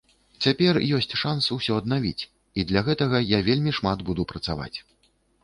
Цяпер ёсць шанс усё аднавіць, і для гэтага я вельмі шмат буду працаваць.